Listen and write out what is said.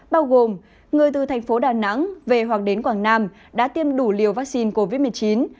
bao gồm người từ thành phố đà nẵng về hoặc đến quảng nam đã tiêm đủ liều vaccine covid một mươi chín